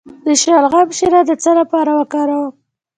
د شلغم شیره د څه لپاره وکاروم؟